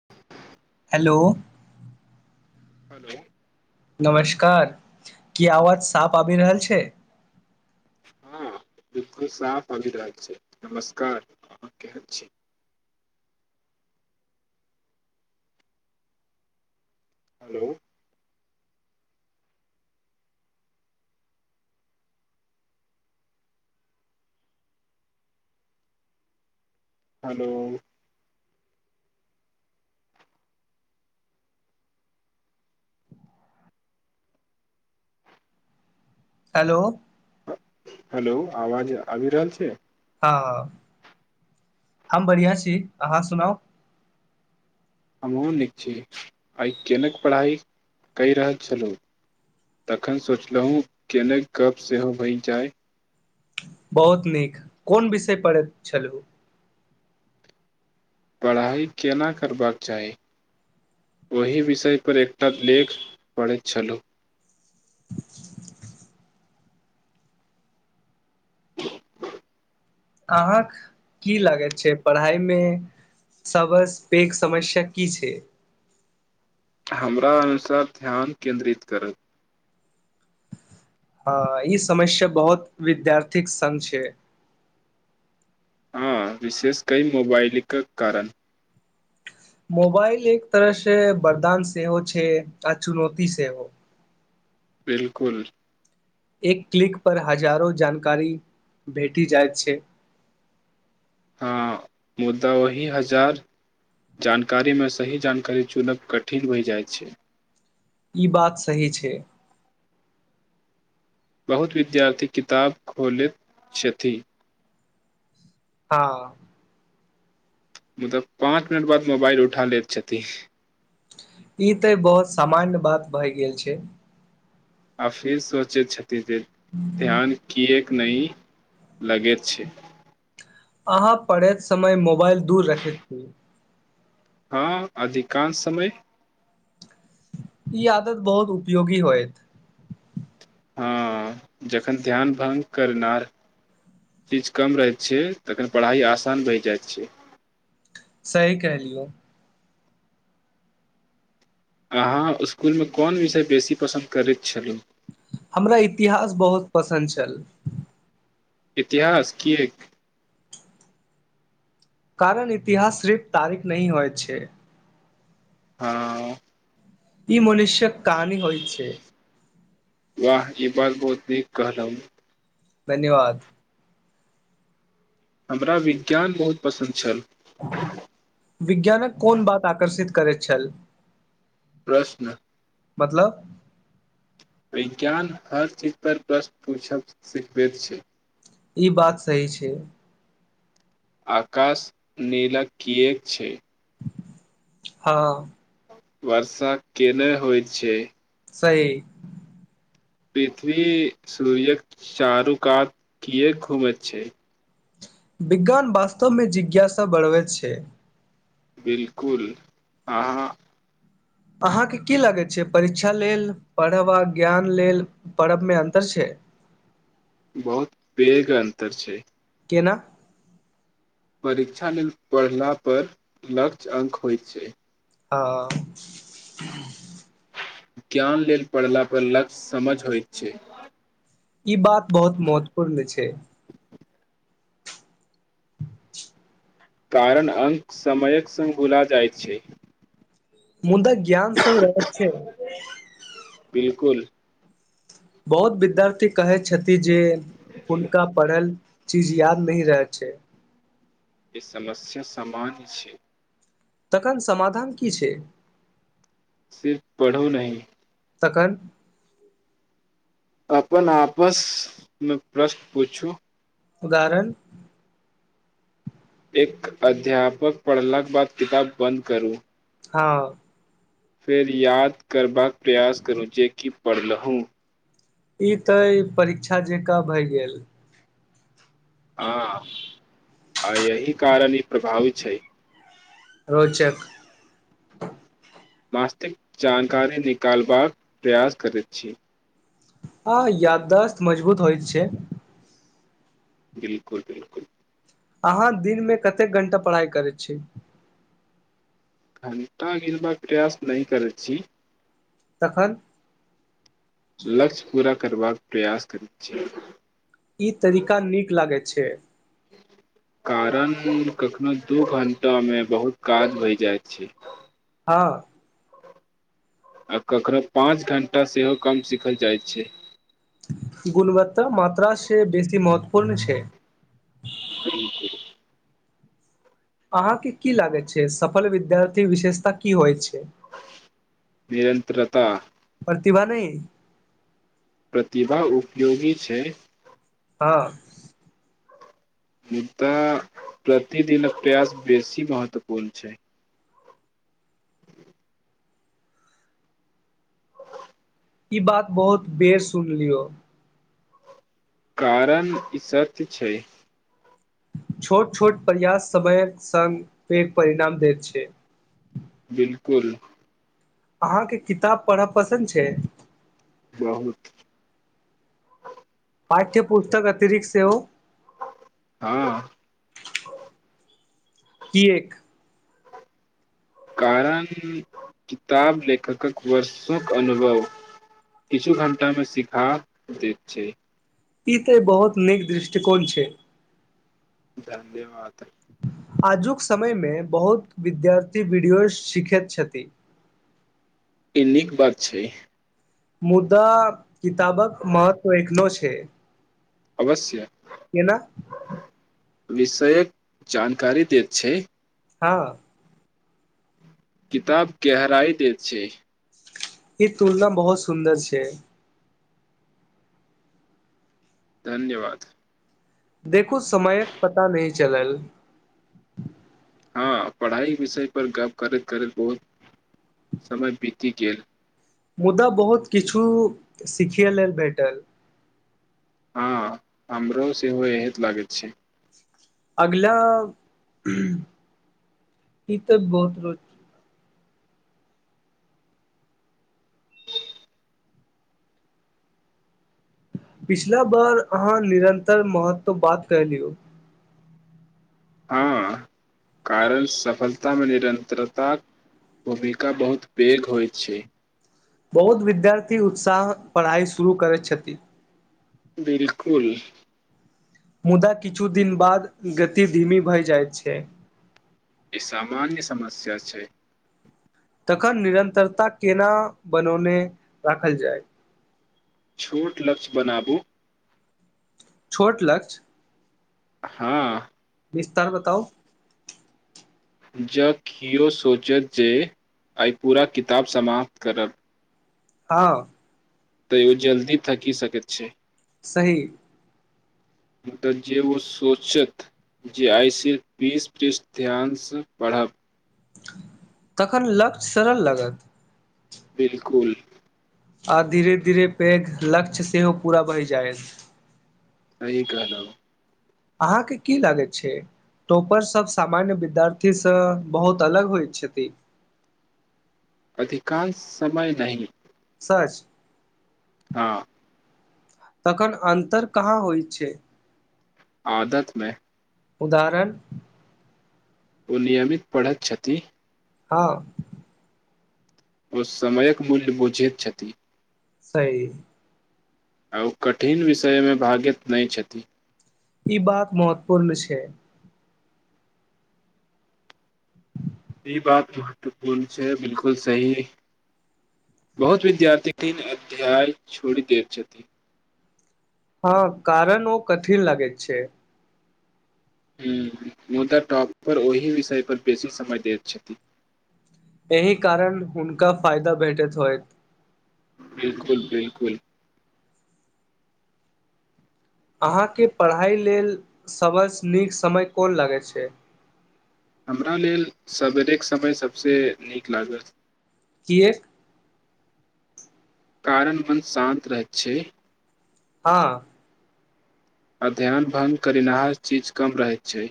[inaudible] hello hello नमस्कार की आवाज साफ आब रहल छै हँ बिलकुल साफ आबि रहल छै नमस्कार अहाँ केहन छी हेलो हेलो हेलो हेलो आवाज आबि रहल छै हँ हम बढ़िआं छी अहाँ सुनाउ हमहूँ नीक छी आइ केनक पढ़ाइ कहि रहल छलहुँ तखन सोचलहुँ केनक गप्प सेहो बनि जाय बहुत नीक कोन विषय पढ़ैत छलहु पढ़ाइ केना करबाक चाही ओहि विषय पर एकटा लेख पढ़ैत छलहु [inaudible] अहाँके की लागैत छै पढ़ाइमे सबस पैघ समस्या की छै हमरा अनुसार ध्यान केन्द्रित करत हँ ई समस्या बहुत विद्यार्थीक संग छै हँ विशेष कई मोबाइलके कारण मोबाइल एक तरह से बरदान सेहहो छै आ चुनौती सेहो बिलकुल एक क्लिक पर हजारो जानकारी भेटी जाइत छै हँ मुदा ओही हजार जानकारीमे सही जानकारी चुनब कठिन होई जाइ छै ई बात सही छै बहुत विद्यार्थी किताब खोलैत छथि हँ मतलब पाँच मिनट बाद मोबाइल उठा लैत छथिन ई तऽ बहुत सामान्य बात भए गेल छै आ फिर सोचैय छै ध्यान किए नहि लगैत छै अहाँ पढ़ैत समय मोबाइल दूर रखैत दियो हँ अधिकांश समय ई आदत बहुत उपयोगी होयत हँ जखन ध्यान भङ्ग करना चीज कम रहै छै तखन पढ़ाइ आसान है जाइ छै सही कैहेलियौ अहाँ इसकुलमे कोन विषय बेसी पसन्द करैत छलहुँ हमरा इतिहास बहुत पसन्द छल इतिहास की एक कारण इतिहास सिर्फ तारीख नह होय छै हँ ई मनुष्यक कहानी होइ छै वाह ई बात बहुत नीक कहलउ धन्यवाद हमरा विज्ञान बहुत पसन्द छल विज्ञानक कोन बात आकर्षित करैत छल प्रश्न मतलब विज्ञान हर चीज पर प्रश्न पूछब सिखबैत छै ई बात सही छै आकाश नीला किऐक छै हँ वर्षा केने होइ छै सही पृथ्वी सूर्य्यक चारूकात कियाक घूमै छै विज्ञान वास्तवमे जिज्ञासा बढ़बैत छै बिलकुल अहाँ अहाँके की लागै छै परीक्षा लेल पढ़ब आ ज्ञान लेल पढ़बमे अन्तर छै बहुत पेघ अन्तर छै केना परीक्षा लेल पढ़ला पर लक्ष्य अंक होइत छै ह ज्ञान लेल पढ़ला पर लक्ष्य समझ होइत छै ई बात बहुत महत्वपूर्ण छै [inaudible] कारण अं्क समयक सङ्ग भुला जाइ छै मुदा ज्ञान सग्रहक छै बिलकुल बहुत विद्यार्थी कहै छथि जे हुनका पढ़ल चिज याद नहि रहै छै ई समस्या समान छै तखन समाधान की छै सिर्फ पढ़ू नहि तखन अपन आपसमे प्रश्न पूछू उदाहरण एक अध्यापक पढ़लाक बाद किताब बन्द करू हँ फेर याद करबाक प्रयास करू जेे कि पढ़लहु ई तऽ ई परीक्षा जेकाँ भय गेल हँ आ यही कारण ई प्रभावित छै रोचक मास्तिक जानकारी निकालबाक प्रयास करैत छी आ याददाश्त मजबूत होइ छै बिलकुल बिलकुल अहाँ दिनमे कतेक घण्टा पढ़ाइ करै छी घण्टा गिनबाक प्रयास नहि करै छी तखन लक्ष्य पूरा करबाक प्रयास करैत छियै ई तरीका नीक लागैत छै कारण कखनो दू घण्टामे बहुत काज भए जाइत छै हाँ आ ककरो पाँच घण्टा सेहो कम सीखल जाइत छै गुणवत्ता मात्रा से बेसी महत्व पूर्ण छै अहाँके की लागे छै सफल विद्यार्थी विशेषता की होइ छै निरन्त्रता प्रतिभा नहि प्रतिभा उपयोगी छै हँ मुदा प्रतिदनक प्रयास बेसी महत्वपूर्ण छै ई बात बहुत बेर सुनलियौ कारण इ सत्य छै छोट छोट प्रयास समयक संग पैग परिणाम दैत छै बिलकुल अहाँके किताब पढ़ब पसन्द छै बहुत पाठ्यपुस्तक अतिरिक्त सेहो हँ [inaudible] किएक कारण किताब लेखकक वर्षोक अनुभव किछु घंटामे सिखा दैत छै ई तऽ बहुत नीक दृष्टिकोण छै [unintelligible] आजुक समयमे बहुत विद्यार्थी वीडियो सीखैत छथि ई नीक बात छै मुद्दा किताबक महत्व एखनो छै अवश्य केना विषयक जानकारी देैत छै हँ किताब गहराई दैत छै ई तुलना बहुत सुन्दर छै धन्यवाद देखू समयक पता नहि चलल हँ पढ़ाई विषय पर गप करैत करैत बहुत समय बीति गेल मुदा बहुत किछु सिखैय लेल भेटल हँ हमरो सेहो एहत लागैत छै अगला ई तऽ बहुत रोच पिछला बार अहाँ निरन्तर महत्व बात क लियौ हँ कारण सफलतामे निरन्तरताक भूमिका बहुत पैघ होइत छै बहुत विद्यार्थी उत्साह पढ़ाइ शुरू करैत छथि बिलकुल मुदा किछु दिन बाद गति धीमी भए जाइत छै ई सामान्य समस्या छै तखन निरन्तरता केना बनौने राखल जाय छोट लक्ष्य बनाबू छोट लक्ष्य हँ विस्तार बताउ ज कियो सोचत जे आइ पूरा किताब समाप्त करब हँ त ओ जल्दी थकि सक छै सही मुदा जेे ओ सोचत जे आइस बीस पृष्ठ ध्यान सँ पढ़ब तखन लक्ष्य सरल लागत बिलकुल आ धीरे धीरे पैघ लक्ष्य सेहो पूरा भहि जाय सही कहलो अहाँके की लागैत छै टोपर सभ सामान्य विद्यार्थीसँ बहुत अलग होइत छथि अधिकांश समय नहि सच हँ तखन अन्तर कहाँ होइ छै आदतमे उदाहरण ओ नियमित पढ़त छथि हँ ओ समयक मूल्य बुझैत छथि् सही आ ओ कठिन विषयमे भागैत नहि छथि ई बात महत्वपूर्ण छै ई बात महत्वपूर्ण छै बिलकुल सही बहुत विद्यार्थी तन अध्याय छोड़ी दे छथि हँ कारण ओ कठिन लागे छै हं मुदा टाॅप पर ओहि विषय पर बेसी समय दैत छथि एहि कारण हुनका फायदा भेटैत होयत बिलकुल बिलकुल अहाँके पढ़ाइ लेल सभस नीक समय कोन लगैत छै हमरा लेल सवेरेक समय सबसे नीक लागत किएक कारण मन शान्त रहैत छै हँ अध्ययन भंग करिनाहार चीज कम रहैत छै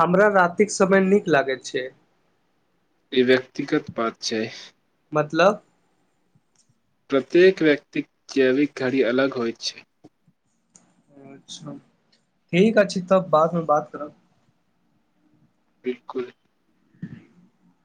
हमरा रातिक समय नीक लागैत छै ई व्यक्तिगत बात छै मतलब प्रत्येक व्यक्ति कैविक घड़ी अलग होइत छै अच्छा ठीक अछि तब बादमे बात करब बिलकुल [inaudible]